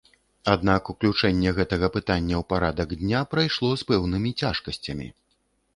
Аднак уключэнне гэтага пытання ў парадак дня прайшло з пэўнымі цяжкасцямі.